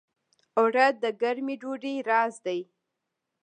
اوړه د ګرمې ډوډۍ راز دي